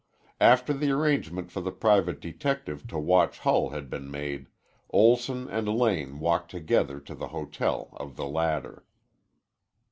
After the arrangement for the private detective to watch Hull had been made, Olson and Lane walked together to the hotel of the latter.